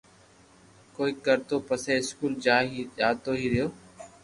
ڪوئي ڪرتو پسو اسڪول جاتو ھي رھتو